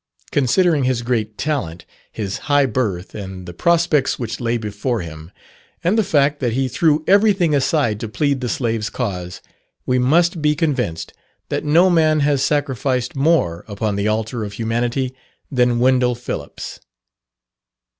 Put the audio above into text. Considering his great talent, his high birth, and the prospects which lay before him, and the fact that he threw everything aside to plead the slave's cause, we must be convinced that no man has sacrificed more upon the altar of humanity than Wendell Phillips.